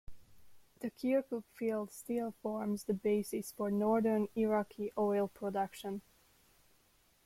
The Kirkuk field still forms the basis for northern Iraqi oil production.